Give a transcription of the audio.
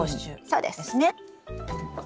そうです。